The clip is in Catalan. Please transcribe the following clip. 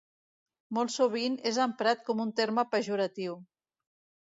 Molt sovint és emprat com un terme pejoratiu.